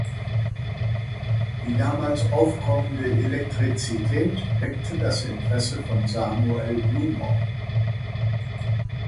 Die damals aufkommende Elektrizität weckte das Interesse von Samuel Blumer.